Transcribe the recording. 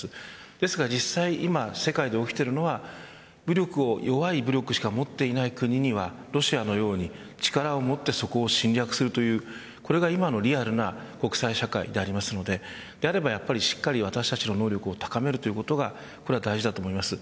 ですが実際、今世界で起きているのは弱い武力しか持っていない国にはロシアのように力を持ってそこを侵略するというこれが今のリアルな国際社会なのでであれば私たちの能力が高まることが大事だと思います。